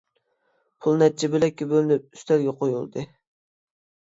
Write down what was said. پۇل نەچچە بۆلەككە بۆلۈنۈپ ئۈستەلگە قويۇلدى.